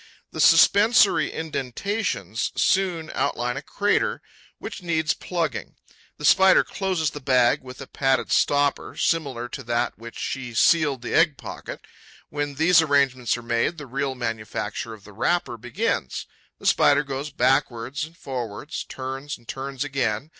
The suspensory indentations soon outline a crater which needs plugging. The Spider closes the bag with a padded stopper similar to that with which she sealed the egg pocket. When these arrangements are made, the real manufacture of the wrapper begins. The Spider goes backwards and forwards, turns and turns again.